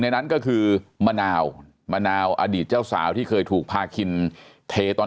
นั้นก็คือมะนาวมะนาวอดีตเจ้าสาวที่เคยถูกพาคินเทตอน